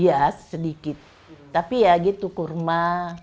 hias sedikit tapi ya gitu kurma